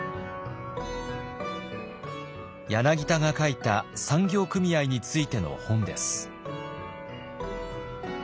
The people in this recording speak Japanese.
柳田が書いた産業組合についての本です。